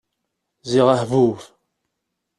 Ziɣ ahbub!